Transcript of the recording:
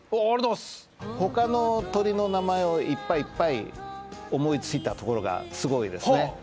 ほかの鳥の名前をいっぱいいっぱい思いついたところがすごいですね。